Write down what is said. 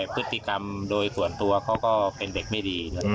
พฤติกรรมโดยส่วนตัวเขาก็เป็นเด็กไม่ดี